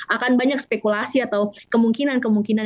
akan banyak spekulasi atau kemungkinan kemungkinan